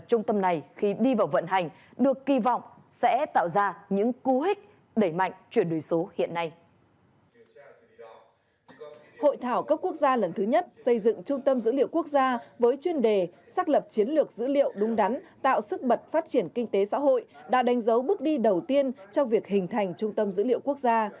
trung tâm dữ liệu quốc gia lần thứ nhất xây dựng trung tâm dữ liệu quốc gia với chuyên đề xác lập chiến lược dữ liệu đúng đắn tạo sức bật phát triển kinh tế xã hội đã đánh dấu bước đi đầu tiên trong việc hình thành trung tâm dữ liệu quốc gia